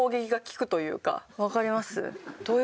わかります？